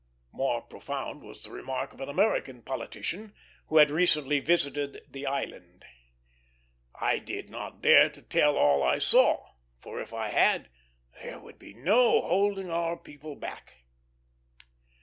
More profound was the remark of an American politician, who had recently visited the island. "I did not dare to tell all I saw; for, if I had, there would be no holding our people back."